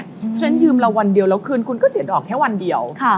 เพราะฉะนั้นยืมเราวันเดียวแล้วคืนคุณก็เสียดอกแค่วันเดียว